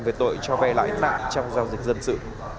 về tội cho vay lãi nặng trong giao dịch dân sự